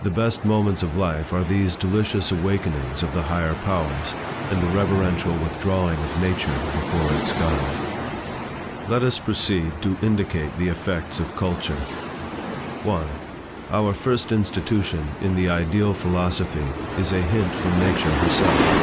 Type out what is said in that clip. The best moments of life are these delicious awakenings of the higher powers, and the reverential withdrawing of nature before its God. Let us proceed to indicate the effects of culture. 1. Our first institution in the Ideal philosophy is a hint from nature herself.